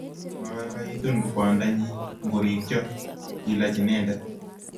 mabaibaitun kwanda nyi ngorikchoto kilaach inendet